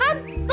itu juga tuh